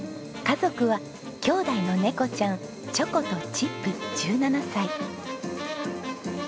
家族は姉弟の猫ちゃんチョコとチップ１７歳。